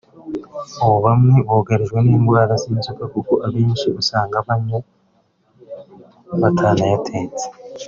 ubu bamwe bugarijwe n’indwara nk’inzoka kuko abenshi usanga banywa batanayatetse”